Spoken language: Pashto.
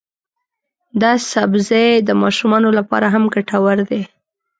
دا سبزی د ماشومانو لپاره هم ګټور دی.